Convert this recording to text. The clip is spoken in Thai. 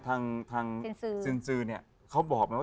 ทางสื่อเนี่ยเขาบอกไหมว่า